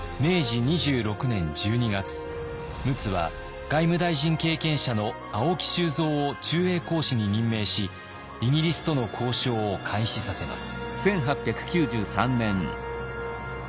陸奥は外務大臣経験者の青木周蔵を駐英公使に任命しイギリスとの交渉を開始させます。